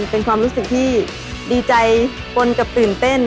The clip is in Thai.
เป็นความรู้สึกที่ดีใจปนกับตื่นเต้น